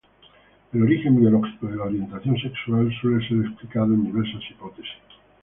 El origen biológico de la orientación sexual suele ser explicado en diversas hipótesis.